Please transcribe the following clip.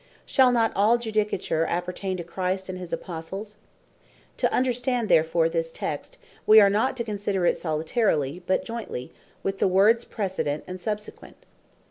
Shall not all Judicature appertain to Christ, and his Apostles? To understand therefore this text, we are not to consider it solitarily, but jointly with the words precedent, and subsequent.